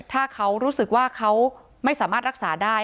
ถ้าเขารู้สึกว่าเขาไม่สามารถรักษาได้